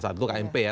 saat itu kmp ya